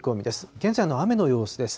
現在の雨の様子です。